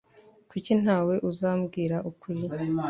Kuki ntawe uzambwira ukuri